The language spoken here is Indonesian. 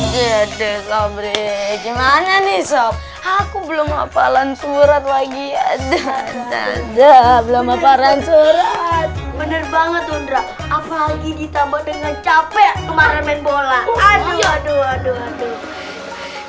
yaudah kalian balik kamar kalian masing masing